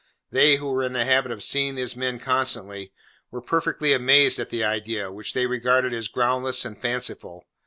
They, who were in the habit of seeing these men constantly, were perfectly amazed at the idea, which they regarded as groundless and fanciful.